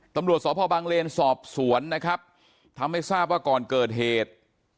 ตำรวจสพบังเลนสอบสวนนะครับทำให้ทราบว่าก่อนเกิดเหตุ